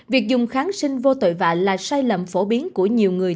việc dùng kháng sinh vô tội vạ là sai lầm phổ biến của nhiều người